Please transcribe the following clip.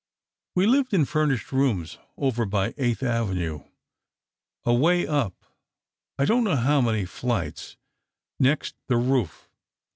"We lived in furnished rooms over by Eighth Avenue, away up I don't know how many flights, next the roof.